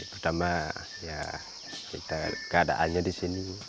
pertama ya kita keadaannya di sini